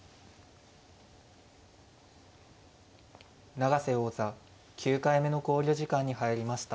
永瀬王座９回目の考慮時間に入りました。